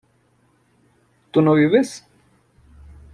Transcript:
¿tú no vives?